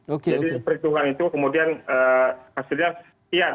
jadi perhitungan itu kemudian hasilnya sekian